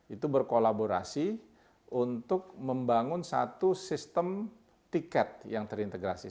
itu berkolaborasi untuk membangun satu sistem tiket yang terintegrasi